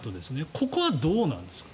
ここはどうなんですか。